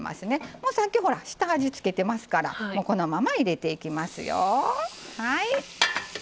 もうさっきほら下味付けてますからこのまま入れていきますよ。